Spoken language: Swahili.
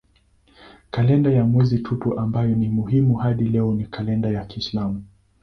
Kalenda ya mwezi tupu ambayo ni muhimu hadi leo ni kalenda ya kiislamu.